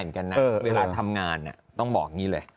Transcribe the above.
ในเวลาทำงานนะต้องบอกยังงี้เลย